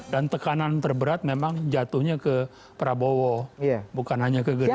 tekanan terberat memang jatuhnya ke prabowo bukan hanya ke gerindra